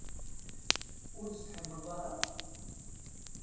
Ur tt-tḥemmleḍ ara?